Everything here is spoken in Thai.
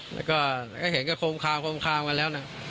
แล้วก็เห็นก็โค้งคาวกันแล้วนะ